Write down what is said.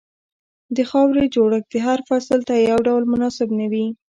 د خاورې جوړښت هر فصل ته یو ډول مناسب نه وي.